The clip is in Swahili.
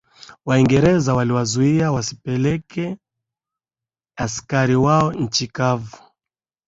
waingereza waliwazuia wasipeleke askari wao nchi kavu